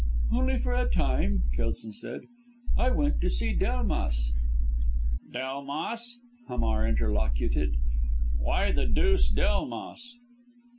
"Only for a time," Kelson said, "I went to see Delmas!" "Delmas!" Hamar interlocuted, "why the deuce Delmas?"